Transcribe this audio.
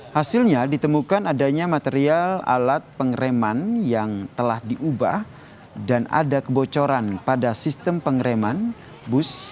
hasilnya ditemukan adanya material alat pengereman yang telah diubah dan ada kebocoran pada sistem pengereman bus